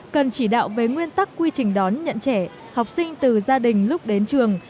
cần chỉ đạo về nguyên tắc quy trình đón nhận trẻ học sinh từ gia đình lúc đến trường